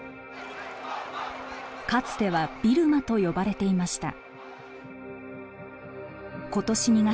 かつてはビルマと呼ばれていました。